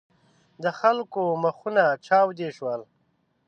د خلکو مخونه چاودې شول.